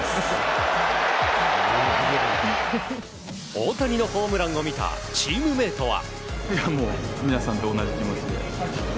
大谷のホームランを見たチームメートは。